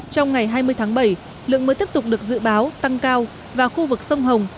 trong ngày hai mươi tháng bảy lượng mưa tiếp tục được dự báo tăng cao và khu vực sông hồng